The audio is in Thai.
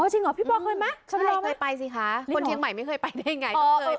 อ๋อจริงหรอพี่ปอล์เคยมาใช่เคยไปสิค่ะคนเชียงใหม่ไม่เคยไปได้ไง